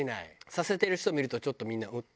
させてる人見るとちょっとみんなうん？